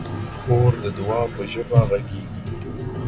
خور د دعا په ژبه غږېږي.